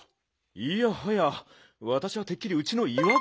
いやはやわたしはてっきりうちのいわ